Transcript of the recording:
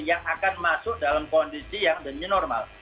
yang akan masuk dalam kondisi yang the new normal